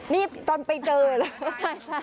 นี่ตอนไปเจอเลย